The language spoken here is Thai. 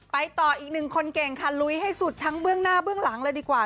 ต่ออีกหนึ่งคนเก่งค่ะลุยให้สุดทั้งเบื้องหน้าเบื้องหลังเลยดีกว่า